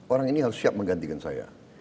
orang ini harus siap menggantikan saya